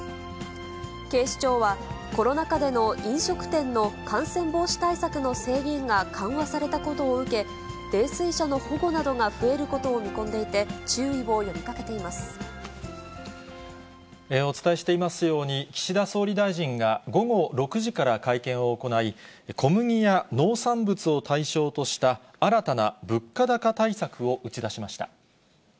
警視庁は、コロナ禍での飲食店の感染防止対策の制限が緩和されたことを受け、泥酔者の保護などが増えることを見込んでいて、注意を呼びかけてお伝えしていますように、岸田総理大臣が午後６時から会見を行い、小麦や農産物を対象とした新たな物価高対策を打ち出しました。